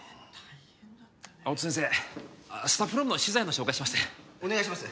青戸先生スタッフルームの資材の紹介しますねお願いします